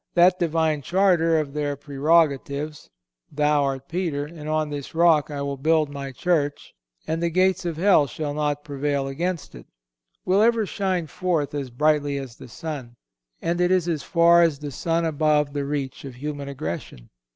That Divine charter of their prerogatives, "Thou art Peter, and on this rock I will build My Church, and the gates of hell shall not prevail against it,"(191) will ever shine forth as brightly as the sun, and it is as far as the sun above the reach of human aggression.